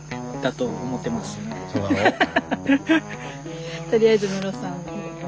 とりあえずムロさんをこう。